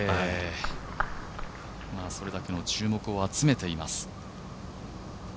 それだけの注目を集めています。